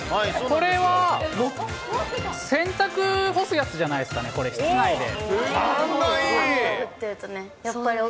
これは洗濯干すやつじゃないですかね、これ、室内で。